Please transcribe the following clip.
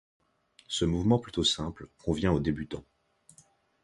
Ce mouvement plutôt simple convient aux débutants.